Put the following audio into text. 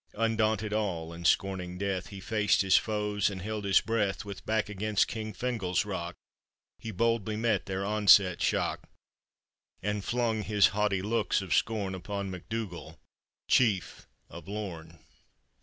— "Undaunted all, and scorning death, He faced his foes and held his breath, With back against King Fingal's rock He boldly met their onset shock, And flung his haughty looks of scorn Upon MacDougall, Chief of Lorn.